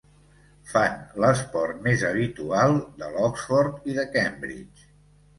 Fan l'esport més habitual de l'Oxford i de Cambridge.